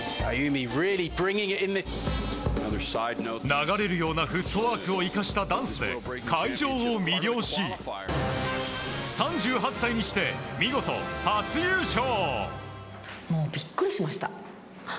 流れるようなフットワークを生かしたダンスで会場を魅了し、３８歳にして見事、初優勝。